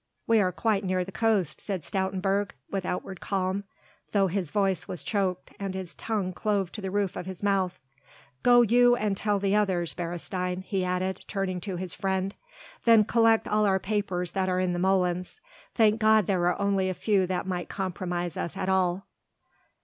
"We are quite near the coast," said Stoutenburg with outward calm, though his voice was choked and his tongue clove to the roof of his mouth, "go you and tell the others, Beresteyn," he added, turning to his friend, "then collect all our papers that are in the molens. Thank God there are only a few that might compromise us at all.